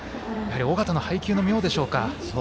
尾形の配球の妙でしょうか。